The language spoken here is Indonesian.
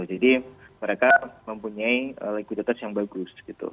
jadi mereka mempunyai likuiditas yang bagus gitu